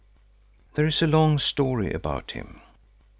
There is a long story about him.